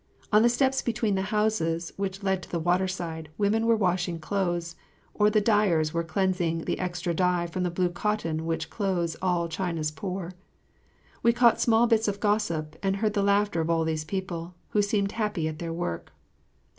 On the steps between the houses which led to the waterside women were washing clothes, or the dyers were cleansing the extra dye from the blue cotton which clothes all China's poor. We caught small bits of gossip and heard the laughter of all these people, who seemed happy at their work.